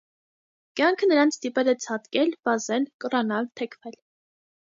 Կյանքը նրանց ստիպել է ցատկել, վազել, կռանալ, թեքվել։